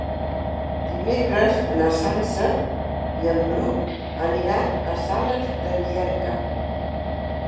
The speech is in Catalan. Dimecres na Sança i en Bru aniran a Sales de Llierca.